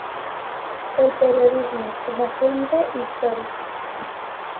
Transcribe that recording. El periodismo como fuente histórica".